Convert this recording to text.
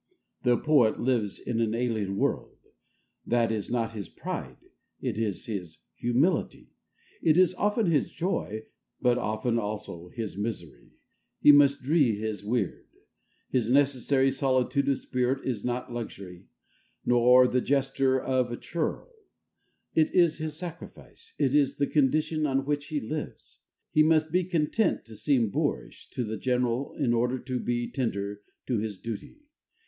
The poet lives in an alien world. That is not his pride; it is his humility. It is often his joy, but often also his misery: he must dree his weird. His necessary solitude of spirit is not luxury, nor the gesture of a churl: it is his sacrifice, it is the condition on which he lives. He must be content to seem boorish to the general in order to be tender to his duty.